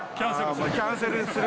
キャンセルする。